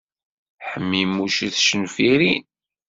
Ḥmimuc i tcenfirin.